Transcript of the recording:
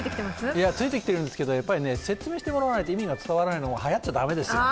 いや、ついてきてるんですけど、説明してもらわないと意味が伝わらないものははやっちゃ駄目ですよ。